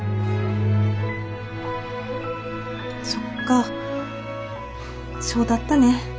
そっかそうだったね。